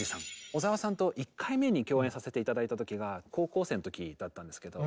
小澤さんと１回目に共演させて頂いた時が高校生の時だったんですけど。